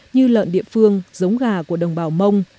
như lợn địa phương giống gà của đồng bào mông